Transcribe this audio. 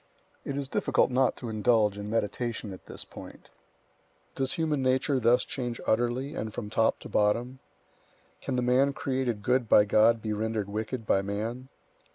It is difficult not to indulge in meditation at this point. Does human nature thus change utterly and from top to bottom? Can the man created good by God be rendered wicked by man?